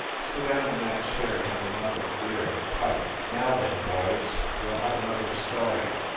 Sit down in that chair and have a mug of beer and a pipe. Now then, boys, we ll have another story."